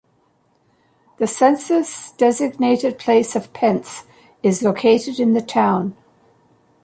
The census-designated place of Pence is located in the town.